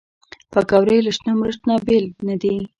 پکورې له شنه مرچ نه بېل نه دي